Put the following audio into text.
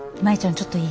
ちょっといい？